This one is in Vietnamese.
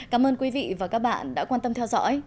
cảm ơn quý vị và các bạn đã quan tâm theo dõi